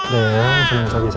bening sama yang sadis ya